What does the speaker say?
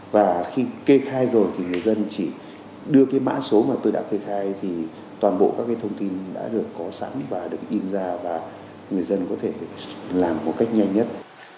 và khi kê khai rồi thì người dân chỉ đưa cái mã số mà tôi đã kê khai thì toàn bộ các cái thông tin đã được có sẵn và được in ra và người dân có thể làm một cách nhanh nhất